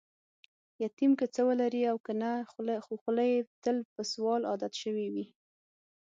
یتیم که څه ولري او کنه، خوخوله یې تل په سوال عادت شوې وي.